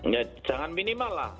jangan minimal lah